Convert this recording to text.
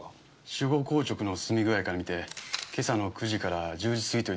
死後硬直の進み具合から見て今朝の９時から１０時過ぎというところでしょう。